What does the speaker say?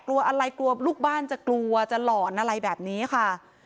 กลัวอะไรกลัวลูกบ้านจะกลัวจะหลอนอะไรแบบนี้ค่ะ